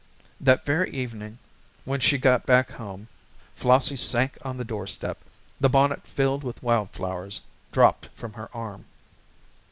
That very evening when she got back home Flossie sank on the doorstep, the bonnet filled with wild flowers dropped from her arm.